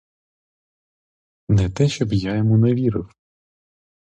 Не те, щоб я йому не вірив.